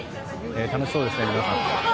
楽しそうですね、皆さん。